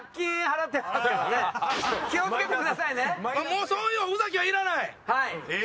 もうそういうおふざけはいらない！